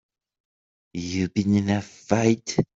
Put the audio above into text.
You been in a fight?